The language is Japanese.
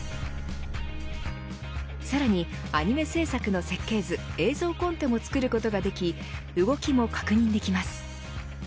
さらに、アニメ製作の設計図映像コンテも作ることができ動きも確認できます。